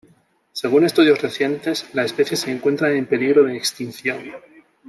Según estudios recientes, la especie se encuentra en peligro de extinción.